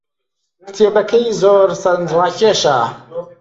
کتێبەکەی زۆر سەرنجڕاکێشە.